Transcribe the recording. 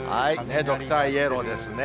ドクターイエローですね。